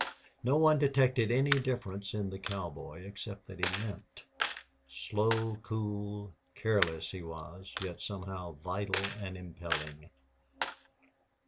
No one detected any difference in the cowboy, except that he limped. Slow, cool, careless he was, yet somehow vital and impelling.